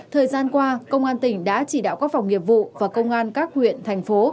thời gian qua công an tỉnh đã chỉ đạo các phòng nghiệp vụ và công an các huyện thành phố